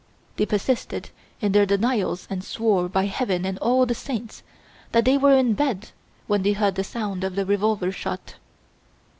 They persisted in their denials and swore, by heaven and all the saints, that they were in bed when they heard the sound of the revolver shot.